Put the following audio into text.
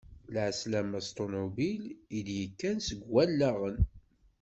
Lɛeslama s ṭunubil, i d-yekkan s Wallaɣen.